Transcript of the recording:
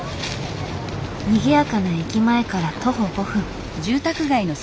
にぎやかな駅前から徒歩５分。